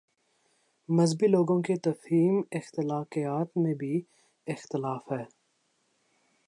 مذہبی لوگوں کی تفہیم اخلاقیات میں بھی اختلاف ہے۔